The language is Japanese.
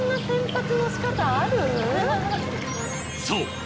［そう。